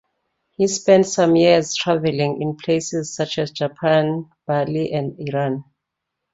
He spent some years travelling in places such as Japan, Bali and Iran.